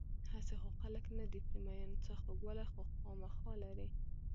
هسې خو خلک نه دي پرې مین، څه خوږوالی خو خوامخا لري.